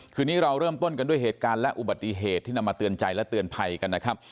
คืนนี้เราเริ่มต้นกันด้วยเหตุการณ์และอุบัติเหตุที่นำมาเตือนใจและเตือนภัยกันนะครับ